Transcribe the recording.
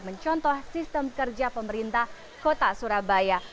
mencontoh sistem kerja pemerintah kota surabaya